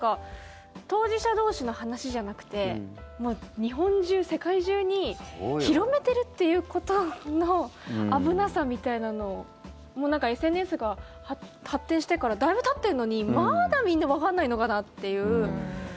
当事者同士の話じゃなくてもう日本中、世界中に広めてるっていうことの危なさみたいなのもなんかＳＮＳが発展してからだいぶたってるのにまだ、みんなわかんないのかなっていう。